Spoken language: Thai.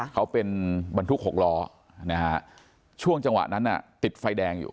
เขาเป็นบรรทุก๖ล้อนะฮะช่วงจังหวะนั้นติดไฟแดงอยู่